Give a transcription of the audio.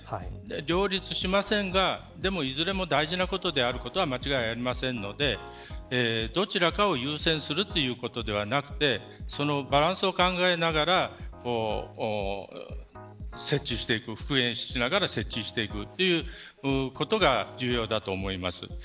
両立しませんがでも、いずれも大事なことであるのは間違いありませんのでどちらかを優先するということではなくてそのバランスを考えながら設置していく復元しながら設置していくということが重要だと思います。